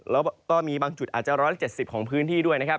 แล้วก็มีบางจุดอาจจะ๑๗๐ของพื้นที่ด้วยนะครับ